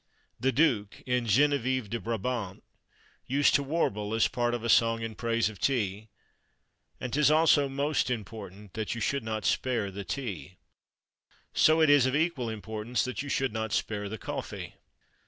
"The Duke" in Geneviève de Brabant used to warble as part of a song in praise of tea And 'tis also most important That you should not spare the tea. So is it of equal importance that you should not spare the coffee.